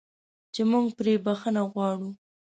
چې موږ پرې بخښنه غواړو.